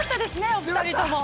お二人とも。